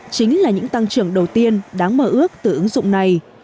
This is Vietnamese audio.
chính là những tăng trưởng đầu tiên đáng mơ ước từ ứng dụng này